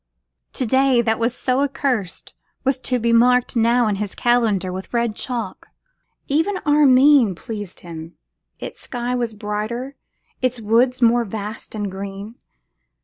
To day, that was so accursed, was to be marked now in his calendar with red chalk. Even Armine pleased him; its sky was brighter, its woods more vast and green.